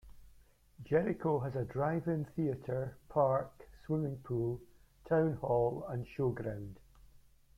Jericho has a drive in theatre, park, swimming pool, town hall and showground.